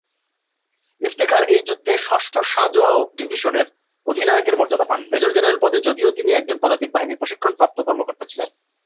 ইফতেখার এই যুদ্ধে ষষ্ঠ সাঁজোয়া ডিভিশনের অধিনায়কের মর্যাদা পান মেজর-জেনারেল পদে যদিও তিনি একজন পদাতিক বাহিনীর প্রশিক্ষণপ্রাপ্ত কর্মকর্তা ছিলেন।